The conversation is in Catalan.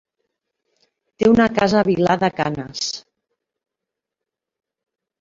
Té una casa a Vilar de Canes.